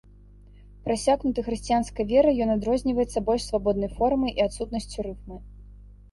Прасякнуты хрысціянскай верай, ён адрозніваецца больш свабоднай формай і адсутнасцю рыфмы.